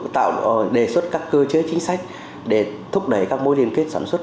tạo đề xuất các cơ chế chính sách để thúc đẩy các mối liên kết sản xuất